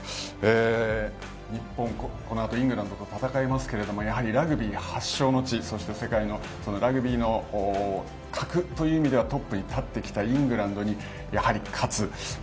日本、このあとイングランドと戦いますがやはりラグビー発祥の地そして世界のラグビーの格という意味ではトップに立ってきたイングランドにやはり勝つ。